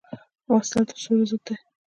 وسله د سولې ضد ده